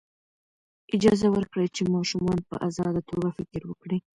اجازه ورکړئ چې ماشومان په ازاده توګه فکر وکړي.